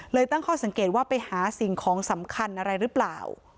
ตั้งข้อสังเกตว่าไปหาสิ่งของสำคัญอะไรหรือเปล่า